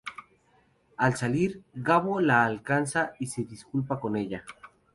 Al salir, Gabo la alcanza y se disculpa con ella.